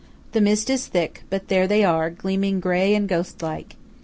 The mist is thick; but there they are, gleaming grey and ghostlike.